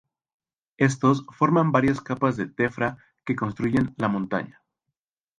Estos forman varias capas de tefra que construyen la montaña.